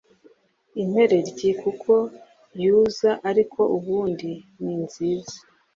impereryi kuko yuza ariko ubundi ni nziza